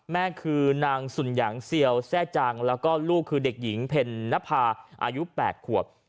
แม่คือนางสุนยังเซียวแทร่จังแล้วก็ลูกคือเด็กหญิงเพ็ญนภาอายุ๘ขวบ